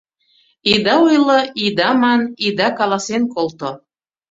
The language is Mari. Ида ойло, ида ман, ида каласен колто